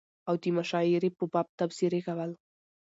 او دمشاعرې په باب تبصرې کول